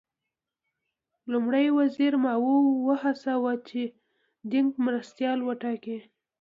لومړي وزیر ماوو وهڅاوه چې دینګ مرستیال وټاکي.